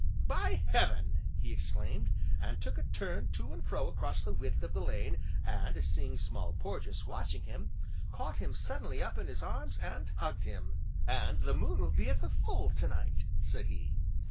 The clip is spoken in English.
"By heaven!" he exclaimed, and took a turn to and fro across the width of the lane, and seeing Small Porges watching him, caught him suddenly up in his arms, and hugged him. "And the moon will be at the full, tonight!" said he.